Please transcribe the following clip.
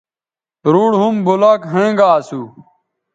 روڈ ھُم بلاکھوینگااسو